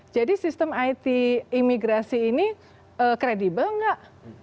jadi sistem it imigrasi ini kredibel nggak